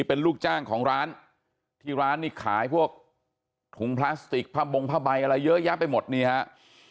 เป็นลูกจ้างของร้านที่ร้านนี่ขายพวกถุงพลาสติกผ้าบงผ้าใบอะไรเยอะแยะไปหมดนี่ฮะ